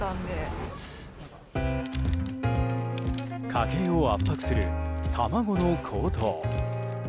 家計を圧迫する卵の高騰。